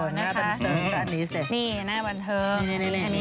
นี่หน้าบันเทิง